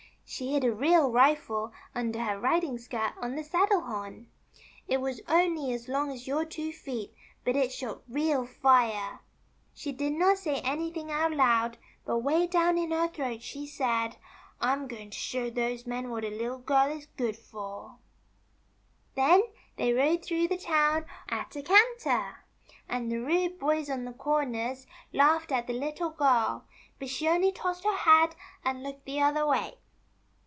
She hid a real rifle under her riding skirt on the 'saddle horn. It was only as long as your two feet, but it shot real Are. She did THE LITTLE GIRL TAKES THE FENCE. not say anything out loud, but 'way down in her throat she said :^ I'm going to show those men what a Little Girl is good for.' Then they rode through the town at a canter, and 320 THE CHILDREN'S WONDER BOOK. the rude boys on the corners laughed at the Little Girl ; but she only tossed her head, and looked the other way.